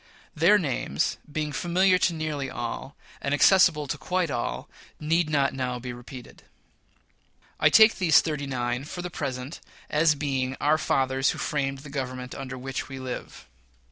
Their names, being familiar to nearly all, and accessible to quite all, need not now be repeated. I take these "thirty nine," for the present, as being our "fathers who framed the Government under which we live."